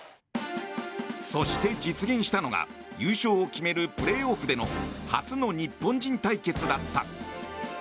そして、実現したのが優勝を決めるプレーオフでの初の日本人対決だった。